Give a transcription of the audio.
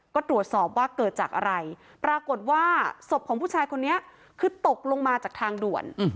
ก็ตรวจสอบว่าเกิดจากอะไรปรากฏว่าศพของผู้ชายคนนี้คือตกลงมาจากทางด่วน